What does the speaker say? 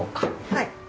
はい。